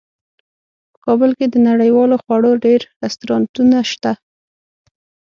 په کابل کې د نړیوالو خوړو ډیر رستورانتونه شته